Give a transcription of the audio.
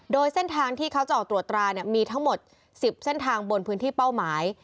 โดยเส้นทางที่เขาจะออกตรวจตรามีทั้งหมด๑๐เส้นทางบนพื้นที่เป้าหมาย